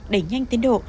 đẩy nhanh tiến độ